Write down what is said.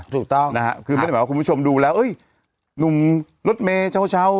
ถูกต้องนะฮะคือไม่ได้หมายว่าคุณผู้ชมดูแล้วหนุ่มรถเมย์เช้า